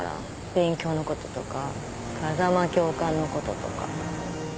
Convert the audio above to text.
勉強のこととか風間教官のこととか。